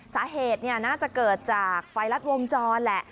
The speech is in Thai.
สาเหตุน่าจะเกิดจากไฟรัดวงจรแหละ